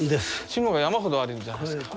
志野が山ほどあるじゃないすか。